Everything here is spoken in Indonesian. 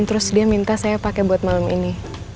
terus dia minta saya pakai buat malam ini